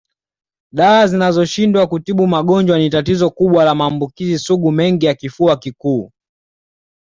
Dawa zinazoshindwa kutibu magonjwa ni tatizo kubwa la maambukizi sugu mengi ya kifua kikuu